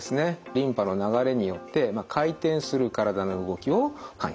リンパの流れによって回転する体の動きを感知する。